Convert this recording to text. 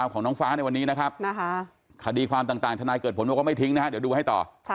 ของน้องฟ้าในวันนี้นะครับคดีความต่างทนายเกิดผลบอกว่าไม่ทิ้งนะฮะเดี๋ยวดูให้ต่อ